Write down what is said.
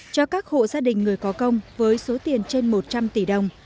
cho các hộ gia đình người có công với số tiền trên một trăm linh tỷ đồng